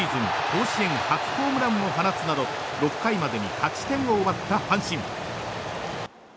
甲子園初ホームランを放つなど６回までに８点を奪った阪神。